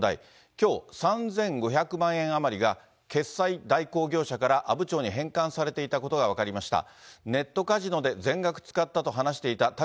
きょう、３５００万円余りが決済代行業者から阿武町に返還されていたことが分かりました。